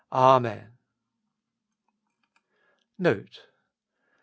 Amen. NOTE.